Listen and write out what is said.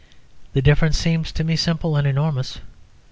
The difference seems to me simple and enormous.